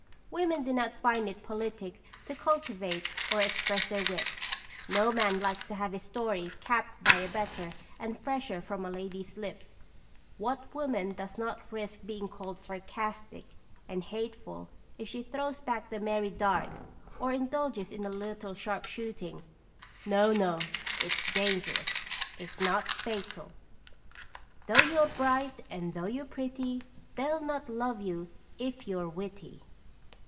Women do not find it politic to cultivate or express their wit. No man likes to have his story capped by a better and fresher from a lady's lips. What woman does not risk being called sarcastic and hateful if she throws back the merry dart, or indulges in a little sharp shooting? No, no, it's dangerous if not fatal. "Though you're bright, and though you're pretty, They'll not love you if you're witty."